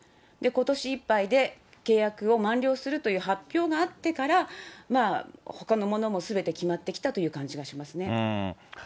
ことしいっぱいで契約を満了するという発表があってから、ほかのものもすべて決まってきたという感じがしますね。